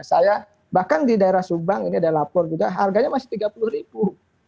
saya bahkan di daerah subang ini ada lapor juga harganya masih rp tiga puluh ribu